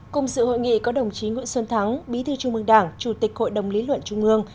cùng sự hội nghị có đồng chí nguyễn xuân thắng bí thư trung mương đảng chủ tịch hội đồng lý luận trung ương